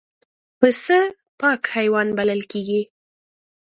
پسه پاک حیوان بلل کېږي.